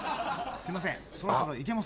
すいません。